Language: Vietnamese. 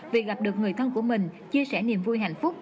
việc gặp được người thân của mình chia sẻ niềm vui hạnh phúc